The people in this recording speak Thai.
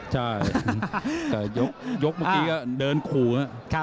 ใช่ยกเมื่อกี้ก็เดินคู่